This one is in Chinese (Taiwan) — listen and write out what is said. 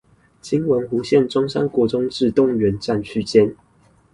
今文湖線中山國中至動物園站區間